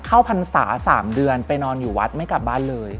พรรษา๓เดือนไปนอนอยู่วัดไม่กลับบ้านเลย